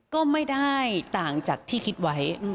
ก็ไม่ได้ต่างจากที่คิดไว้